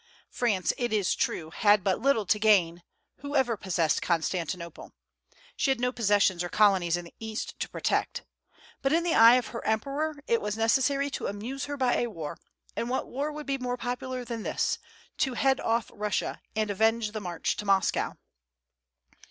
France, it is true, had but little to gain whoever possessed Constantinople; she had no possessions or colonies in the East to protect. But in the eye of her emperor it was necessary to amuse her by a war; and what war would be more popular than this, to head off Russia and avenge the march to Moscow?